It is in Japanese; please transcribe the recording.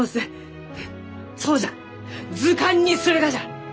うんそうじゃ図鑑にするがじゃ！